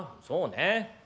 「そうね。